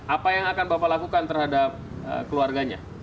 apa yang akan bapak lakukan terhadap keluarganya